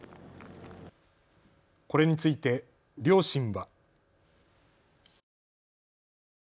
これについて両親は。